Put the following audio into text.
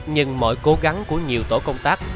nhưng mọi cố gắng của nhiều tổ công tác